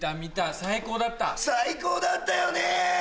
最高だったよね！